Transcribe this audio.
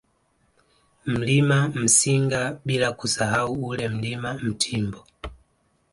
Mlima Msinga bila kusahau ule Mlima Mtimbo